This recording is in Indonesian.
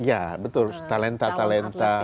ya betul talenta talenta